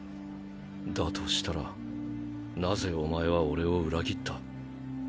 だとしたらなぜお前は俺を裏切った？